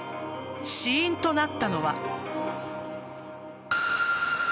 死因となったのは。